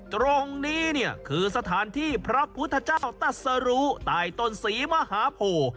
ตรงนี้เนี่ยคือสถานที่พระพุทธเจ้าตัดสรุใต้ต้นศรีมหาโพ